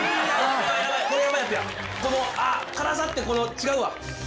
この辛さって違うわ。